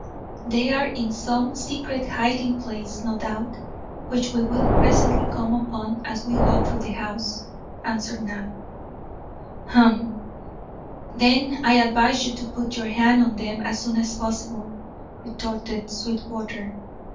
"They are in some secret hiding place, no doubt, which we will presently come upon as we go through the house," answered Knapp. "Umph! Then I advise you to put your hand on them as soon as possible," retorted Sweetwater.